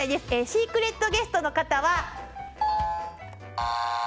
シークレットゲストの方は。